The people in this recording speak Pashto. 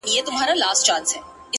بېغمه- غمه د هغې- هغه چي بيا ياديږي